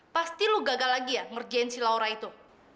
pasti lo gagal lagi ya ngerjain si laura itu